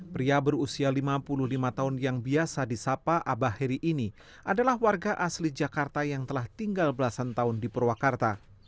pria berusia lima puluh lima tahun yang biasa disapa abah heri ini adalah warga asli jakarta yang telah tinggal belasan tahun di purwakarta